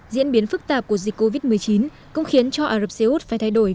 diễn biến phức tạp của dịch covid một mươi chín cũng khiến cho ả rập xê út phải thay đổi